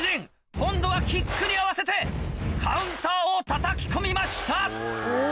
今度はキックに合わせてカウンターをたたき込みました！